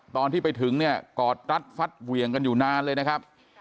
ตอนที่ไปถึงกอดตั้๊ดฟัดเหวี่ยงกันอยู่นานเลยนะฮะ